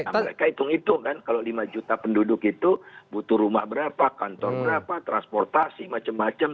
mereka hitung itu kan kalau lima juta penduduk itu butuh rumah berapa kantor berapa transportasi macem macem